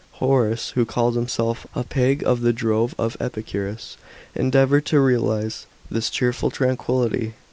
Horace, who calls himself "a pig of the drove of Epicurus," * endeavoured to realize this cheerful tranquillity.